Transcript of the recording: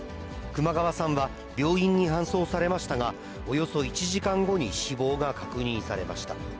熊川さんは病院に搬送されましたが、およそ１時間後に死亡が確認されました。